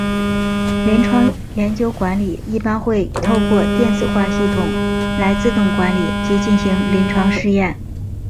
临床研究管理一般会透过电子化系统来自动管理及进行临床试验。